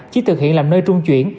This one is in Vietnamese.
chỉ thực hiện làm nơi trung chuyển